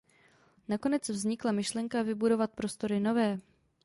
Nakonec vznikla myšlenka vybudovat prostory nové.